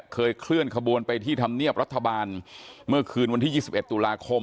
เคยเคลื่อนขบวนไปที่ธรรมเนียบรัฐบาลเมื่อคืนวันที่๒๑ตุลาคม